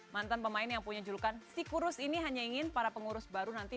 mantan pemain yang punya julukan sikurus ini hanya ingin para pengurus baru nanti